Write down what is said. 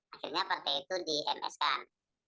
akhirnya partai itu di ms kan